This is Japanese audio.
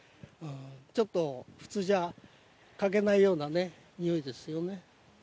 ちょっと普通じゃ嗅げないようなね、臭いですよね。